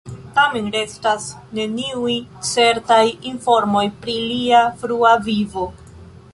Tamen restas neniuj certaj informoj pri lia frua vivo.